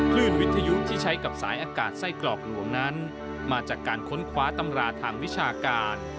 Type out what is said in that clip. คลื่นวิทยุที่ใช้กับสายอากาศไส้กรอกหลวงนั้นมาจากการค้นคว้าตำราทางวิชาการ